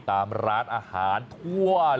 ตามร้านอาหารทั่ว